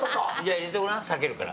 入れてごらん、裂けるから。